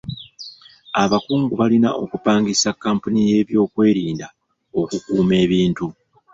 Abakungu balina okupangisa kkampuni y'ebyokwerinda okukuuma ebintu.